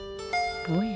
おや。